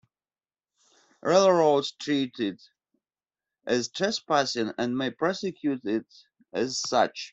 Railroads treat it as trespassing and may prosecute it as such.